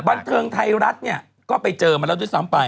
บันเทิงไทยรัฐเนี่ยก็ไปเจอมาแล้วด้วยซ้ำไป